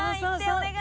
お願い！